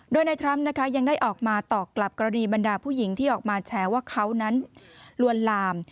โดยในทรัมป์นะคะยังได้ออกมาตอบกลับกรณีบรรดาผู้หญิงที่ออกมาแชร์ว่าเขานั้นลวนลาม